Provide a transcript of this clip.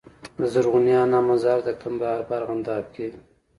د زرغونې انا مزار د کندهار په ارغنداب کي